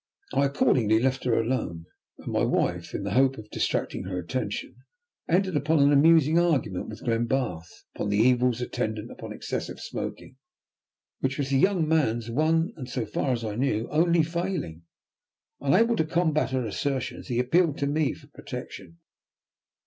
I accordingly left her alone, and my wife, in the hope of distracting her attention, entered upon an amusing argument with Glenbarth upon the evils attendant upon excessive smoking, which was the young man's one, and, so far as I knew, only failing. Unable to combat her assertions he appealed to me for protection.